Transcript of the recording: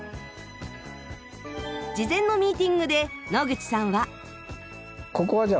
事前のミーティングで野口さんは。